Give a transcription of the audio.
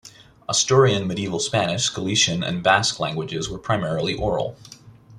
Asturian Medieval Spanish, Galician and Basque languages were primarily oral.